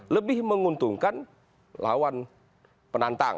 lebih menguntungkan lawan penantang